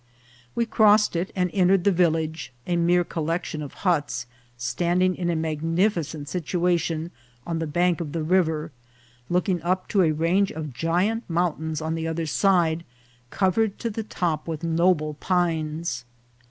We crossed it and entered the village, a mere collection of huts, standing in a mag nificent situation on the bank of the river, looking up to a range of giant mountains on the other side, covered to the top with noble pines.